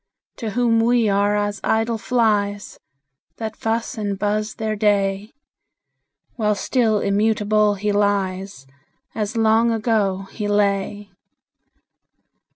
To whom we are as idle flies, That fuss and buzz their day; While still immutable he lies, As long ago he lay.